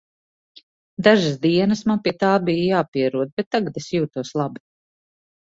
Dažas dienas man pie tā bija jāpierod, bet tagad es jūtos labi.